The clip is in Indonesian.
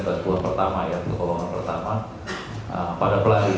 peraturan pertama ya pertolongan pertama pada pelari